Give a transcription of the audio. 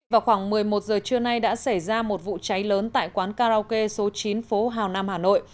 vào khoảng một mươi một giờ trưa nay đã xảy ra một vụ cháy lớn tại quán karaoke số chín phố hào nam hà nội